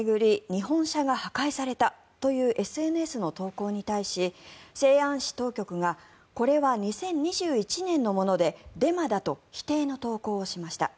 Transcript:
日本車が破壊されたというＳＮＳの投稿に対し西安市当局がこれは２０２１年のものでデマだと否定の投稿をしました。